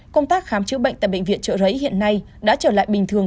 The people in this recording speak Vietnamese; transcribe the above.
công tác khám chữa bệnh tại bệnh viện chợ rấy hiện nay đã trở lại bình thường